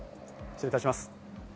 失礼します。